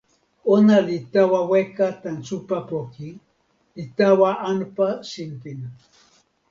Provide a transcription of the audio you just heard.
ona li tawa weka tan supa poki, li tawa anpa sinpin.